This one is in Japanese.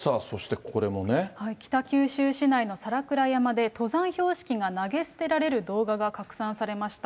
北九州市内の皿倉山で、登山標識が投げ捨てられる動画が拡散されました。